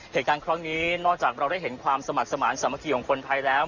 เหตุการณ์ครั้งนี้นอกจากเราได้เห็นความสมัครสมาธิสามัคคีของคนไทยแล้ว